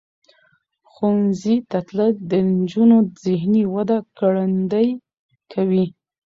ښوونځي ته تلل د نجونو ذهنی وده ګړندۍ کوي.